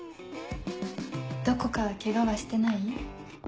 どこかケガはしてない？